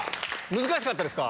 難しかったですか？